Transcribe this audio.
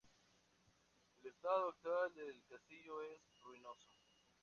El estado actual del castillo es ruinoso.